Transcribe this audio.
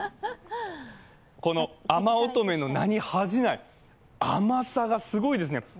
おとめの名に恥じない、甘さがすごいですね。